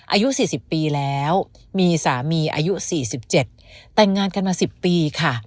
อายุ๔๐ปีแล้วมีสามีอายุ๔๗แต่งงานกันมา๑๐ปีค่ะ